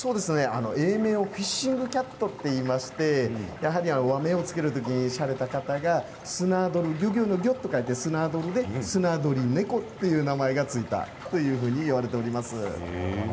英名をフィッシングキャットといいまして和名を付ける時にされた方が漁業の漁と言ってスナドリで漁るでスナドリネコという名前が付いたといわれています。